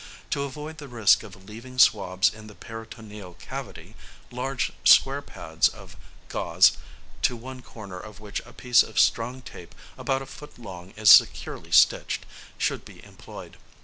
To avoid the risk of leaving swabs in the peritoneal cavity, large square pads of gauze, to one corner of which a piece of strong tape about a foot long is securely stitched, should be employed.